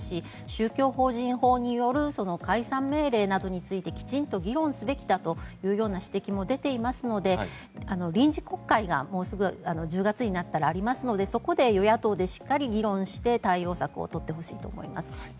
宗教法人法による解散命令などについてきちんと議論すべきだというような指摘も出ていますので臨時国会が、もうすぐ１０月になったらありますのでそこで与野党でしっかり議論して対応策を取ってほしいと思います。